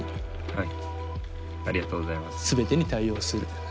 はい。